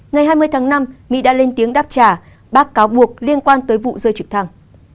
ngày hai mươi tháng năm mỹ đã lên tiếng đáp trả bác cáo buộc liên quan tới vụ rơi trực thăng